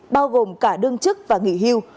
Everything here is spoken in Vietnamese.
bao gồm cả đương chức và nghỉ hưu